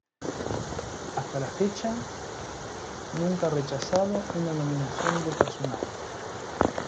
Hasta la fecha, nunca ha rechazado una nominación de personal.